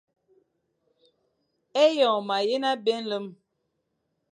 Eyon mayen abé nlem.